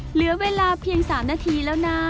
เหลือเวลาเพียง๓นาทีแล้วนะ